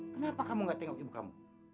kenapa kamu gak tengok ibu kamu